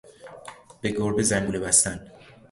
به گربه زنگوله بستن